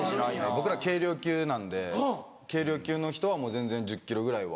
僕ら軽量級なんで軽量級の人はもう全然１０ｋｇぐらいは。